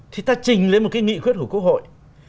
thì ta trình lên một cái nghị quyết của quốc hội